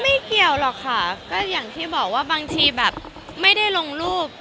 ไม่เกี่ยวหรอกค่ะก็อย่างที่บอกว่าบางทีแบบไม่ได้ลงรูป